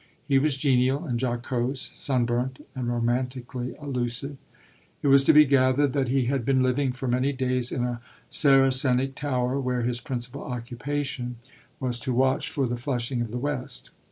He was genial and jocose, sunburnt and romantically allusive. It was to be gathered that he had been living for many days in a Saracenic tower where his principal occupation was to watch for the flushing of the west.